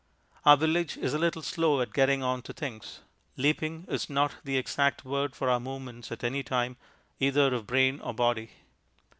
Our village is a little slow at getting on to things; "leaping" is not the exact word for our movements at any time, either of brain or body.